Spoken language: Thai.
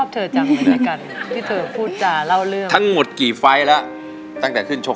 ที่เธอพูดจ๋าเล่าแบบ